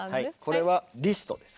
これはリストです。